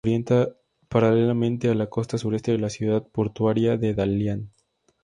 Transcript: Se orienta paralelamente a la costa sureste de la ciudad portuaria de Dalian.